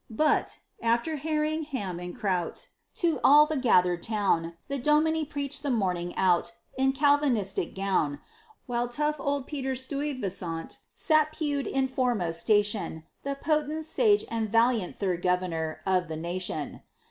But after herring, ham, and kraut To all the gathered town The Dominie preached the morning out, In Calvinistic gown; While tough old Peter Stuyvesant Sat pewed in foremost station, The potent, sage, and valiant Third Governor of the nation.